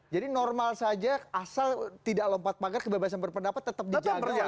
jadi normal saja asal tidak lompat pagar kebebasan berpendapat tetap dijaga oleh pemerintah